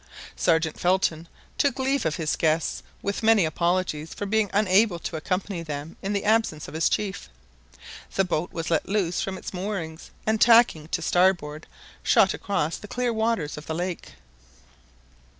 Sergeant Felton took leave of his guests with many apologies for being unable to accompany them in the absence of his chief. The boat was let loose from its moorings, and tacking to starboard, shot across the clear waters of the lake.